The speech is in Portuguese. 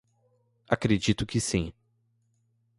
Acredito que sim